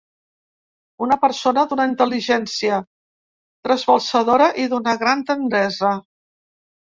Una persona d’una intel·ligència trasbalsadora i d’una gran tendresa.